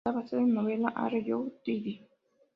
Está basada en novela ""Are You Teddy?